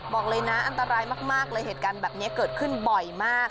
บอกเลยนะอันตรายมากเลยเหตุการณ์แบบนี้เกิดขึ้นบ่อยมาก